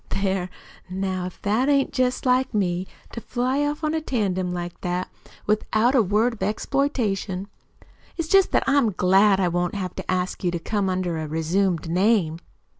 "There, now, if that ain't jest like me, to fly off on a tandem like that, without a word of exploitation. It's jest that I'm so glad I won't have to ask you to come under a resumed name."